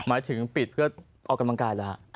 หมายถึงปิดเพื่อออกกำลังกายเหรอฮะ